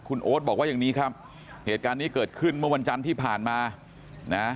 คุณโอ๊ตบอกว่าอย่างนี้ครับเหตุการณ์นี้เกิดขึ้นเมื่อวันจันทร์ที่ผ่านมานะ